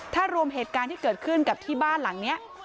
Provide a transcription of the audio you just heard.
ถ้ารวมเหตุการณ์ที่เกิดขึ้นกับที่บ้านหลังนี้